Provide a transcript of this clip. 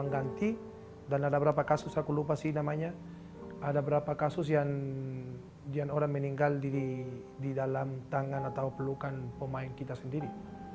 di dalam ruang ganti dan ada beberapa kasus yang orang meninggal di dalam tangan atau pelukan pemain kita sendiri